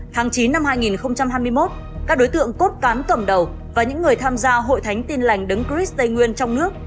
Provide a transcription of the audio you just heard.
tháng chín năm hai nghìn hai mươi một các đối tượng cốt cán cầm đầu và những người tham gia hội thánh tin lành đứng chris tây nguyên trong nước